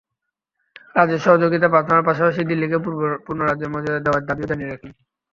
রাজ্যে সহযোগিতা প্রার্থনার পাশাপাশি দিল্লিকে পূর্ণ রাজ্যের মর্যাদা দেওয়ার দাবিও জানিয়ে রাখলেন।